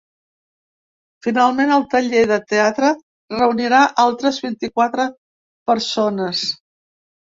Finalment, el taller de teatre reunirà altres vint-i-quatre persones.